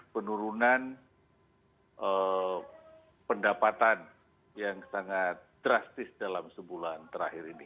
penurunan pendapatan yang sangat drastis dalam sebulan terakhir ini